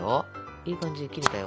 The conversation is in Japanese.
いい感じで切れたよ。